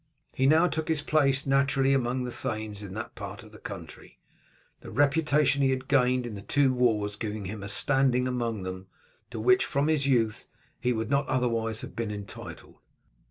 He now took his place naturally among the thanes in that part of the country, the reputation he had gained in the two wars giving him a standing among them, to which, from his youth, he would not otherwise have been entitled.